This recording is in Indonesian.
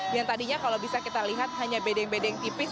yang tadinya kalau bisa kita lihat hanya bedeng bedeng tipis